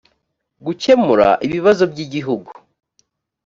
gukemura ibibazo by igihugu